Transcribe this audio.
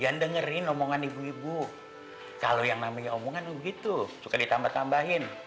dengerin omongan ibu ibu kalau yang namanya omongan begitu suka ditambah tambahin